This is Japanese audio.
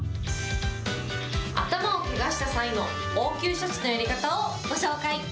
頭をけがした際の応急処置のやり方をご紹介。